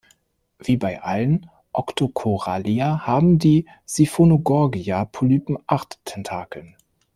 Wie bei allen Octocorallia haben die "Siphonogorgia"-Polypen acht Tentakel.